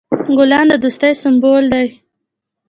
ګلان د دوستی سمبول دي.